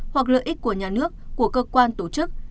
hoặc lợi ích của nhà nước của cơ quan tổ chức